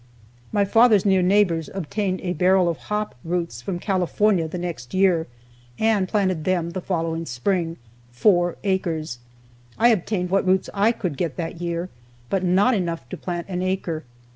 My father's near neighbors obtained a barrel of hop roots from California the next year, and planted them the following spring four acres. I obtained what roots I could get that year, but not enough to plant an acre.